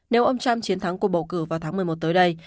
nếu ông trump chiến thắng cuộc bầu cử vào tháng một mươi một tới đây